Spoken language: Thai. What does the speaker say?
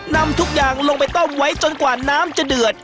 นำทุกอย่างลงไปต้มไว้จนกว่าน้ำจะเดือด